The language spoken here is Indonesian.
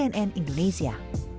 deniputan cnn indonesia